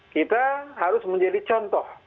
kita harus menjadi contoh